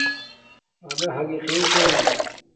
امیے ھاگی قیݽ ہوم